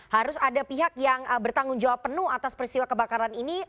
harus ada pihak yang bertanggung jawab penuh atas peristiwa kebakaran ini